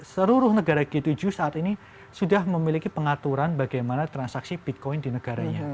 seluruh negara g tujuh saat ini sudah memiliki pengaturan bagaimana transaksi bitcoin di negaranya